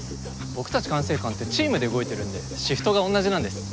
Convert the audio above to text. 僕たち管制官ってチームで動いてるんでシフトが同じなんです。